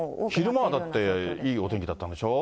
昼間はだって、いいお天気だったんでしょ。